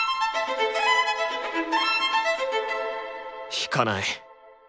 弾かない。